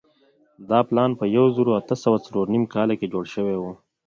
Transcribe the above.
دا پلان په یوه زرو اتو سوو څلور نوېم کال کې جوړ شوی وو.